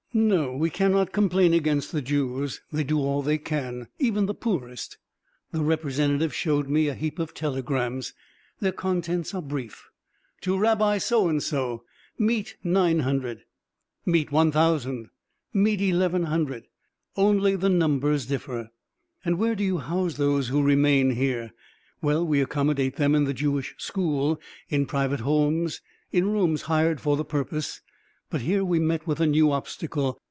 No, we cannot complain against the Jews; they do all they can, even the poorest." The representative shows me a heap of telegrams. Their contents are brief: "To Rabbi so and so. Meet 900; meet 1000; meet 1100." Only the numbers differ.... "And where do you house those who remain here?" "Well, we accommodate them in the Jewish school, in private homes, in rooms hired for the purpose. But here we met with a new obstacle.